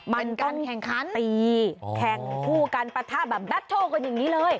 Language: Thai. มันต้องตีแข่งผู้กันประธาบันแบตเทิลกันอย่างนี้เลย